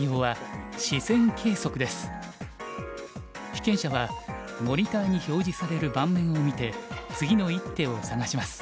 被験者はモニターに表示される盤面を見て次の一手を探します。